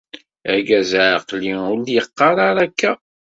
Argaz aɛeqli ur d-yeqqar ara akka.